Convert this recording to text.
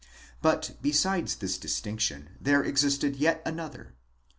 8 But besides this distinction there existed yet another.